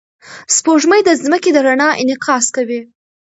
سپوږمۍ د ځمکې د رڼا انعکاس کوي.